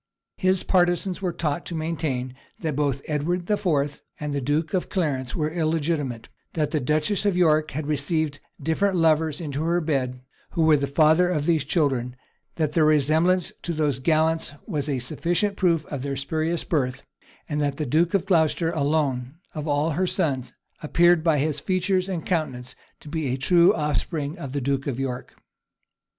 His partisans were taught to maintain, that both Edward IV. and the duke of Clarence were illegitimate; that the duchess of York had received different lovers into her bed, who were the fathers of these children, that, their resemblance to those gallants was a sufficient proof of their spurious birth; and that the duke of Glocester alone, of all her sons, appeared by his features and countenance to be the true offspring of the duke of York.